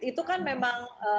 itu kan memang